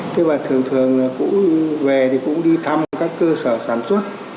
thế và thường thường cụ về thì cụ đi thăm các cơ sở sản xuất